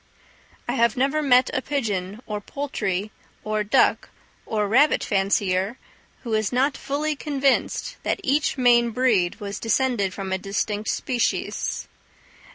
I have never met a pigeon, or poultry, or duck, or rabbit fancier, who was not fully convinced that each main breed was descended from a distinct species.